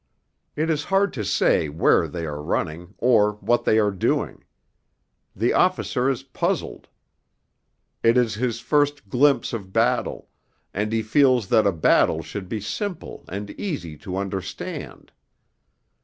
It is hard to say where they are running, or what they are doing. The officer is puzzled. It is his first glimpse of battle, and he feels that a battle should be simple and easy to understand.